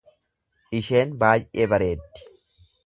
Isheen baay'ee bareeddi.